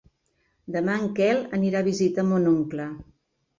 Demà en Quel anirà a visitar mon oncle.